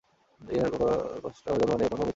ইহার জন্ম কখনও হয় নাই, মৃত্যুও কখনও হইবে না।